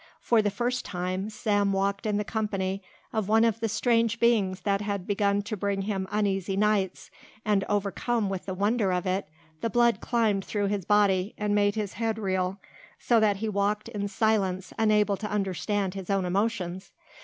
For the first time Sam walked in the company of one of the strange beings that had begun to bring him uneasy nights, and overcome with the wonder of it the blood climbed through his body and made his head reel so that he walked in silence unable to understand his own emotions.